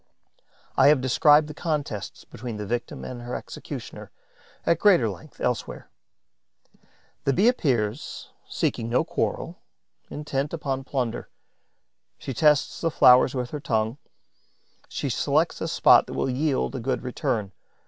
I have described the contests between the victim and her executioner, at greater length, elsewhere. The Bee appears, seeking no quarrel, intent upon plunder. She tests the flowers with her tongue; she selects a spot that will yield a good return.